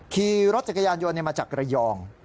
ขี่รถจักรยานยนต์มาจากระยอง